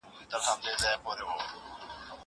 هغه وویل چې زه درس لولم!!